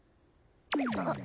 あっ。